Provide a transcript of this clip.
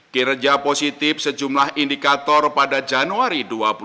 kinerja positif sejumlah indikator pada januari dua ribu dua puluh